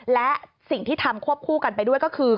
และสิ่งที่ทำควบคู่กันไปด้วยก็คือ